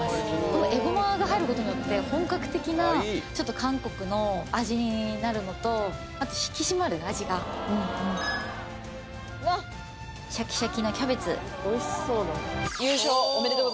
このえごまが入ることによって本格的なちょっと韓国の味になるのとあと引き締まる味がシャキシャキなキャベツ「おめでとう」